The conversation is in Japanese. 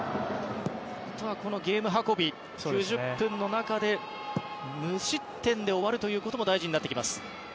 あとはゲーム運び、９０分の中で無失点で終わるということも大事になってきます。